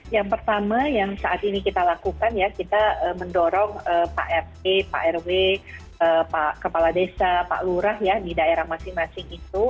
yang pertama yang saat ini kita lakukan ya kita mendorong pak rt pak rw pak kepala desa pak lurah ya di daerah masing masing itu